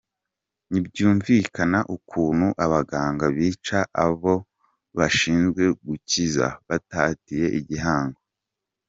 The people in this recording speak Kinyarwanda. Ntibyumvikana ukuntu abaganga bica abo bashinzwe gukiza, batatiye igihango.